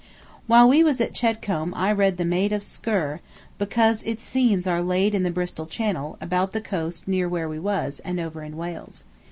While we was at Chedcombe I read the "Maid of Sker," because its scenes are laid in the Bristol Channel, about the coast near where we was, and over in Wales.